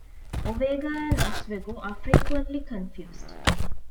Owego and Oswego are frequently confused.